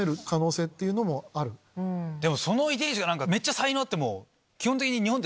でもその遺伝子がめっちゃ才能あっても。